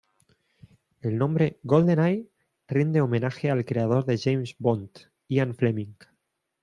El nombre "GoldenEye" rinde homenaje al creador de James Bond, Ian Fleming.